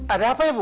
ada apa ya bu